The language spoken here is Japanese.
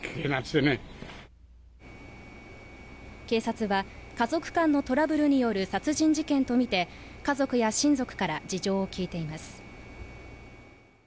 警察は家族間のトラブルによる殺人事件とみて家族や親族から事情を聞いています